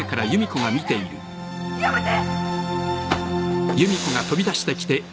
やめて！